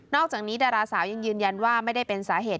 อกจากนี้ดาราสาวยังยืนยันว่าไม่ได้เป็นสาเหตุ